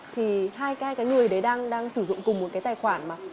thì hai cái người đấy đang sử dụng cùng một cái tài khoản mà